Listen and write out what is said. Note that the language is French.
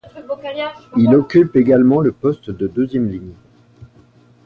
Il occupe également le poste de deuxième ligne.